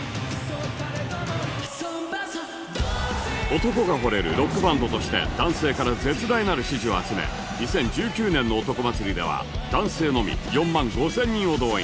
男がほれるロックバンドとして男性から絶大なる支持を集め２０１９年の「男祭り」では男性のみ４万５０００人を動員